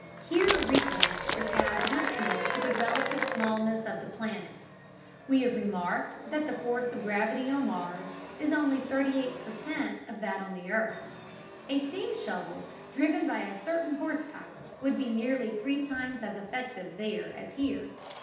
Here recourse is had once more to the relative smallness of the planet. We have remarked that the force of gravity on Mars is only thirty eight per cent of that on the earth. A steam shovel driven by a certain horse power would be nearly three times as effective there as here.